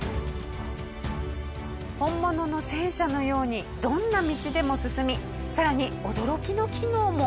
本物の戦車のようにどんな道でも進みさらに驚きの機能も。